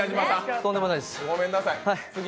とんでもないです。